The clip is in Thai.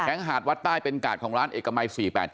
หาดวัดใต้เป็นกาดของร้านเอกมัย๔๘๗